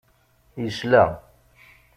Yesla.